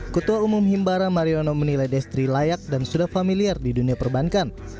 ketua umum himbara mariono menilai destri layak dan sudah familiar di dunia perbankan